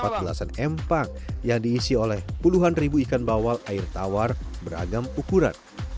ada kelasan empang yang diisi oleh puluhan ribu ikan bawal air tawar beragam ukuran